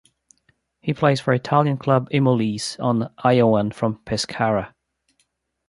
He plays for Italian club Imolese on loan from Pescara.